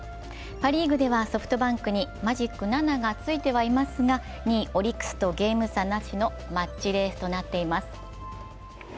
パ・リーグではソフトバンクにマジック７がついてはいますが２位・オリックスとゲーム差なしのマッチレースとなっています。